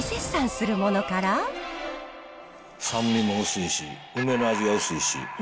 酸味も薄いし、梅の味が薄いし。